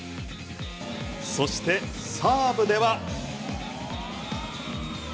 そしてサーブでは。